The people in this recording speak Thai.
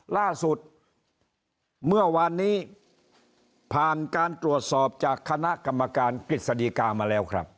ล่าสุดเมื่อวานนี้ผ่านการตรวจสอบจากคณะกรรมการกฤษฎีกามาแล้วครับ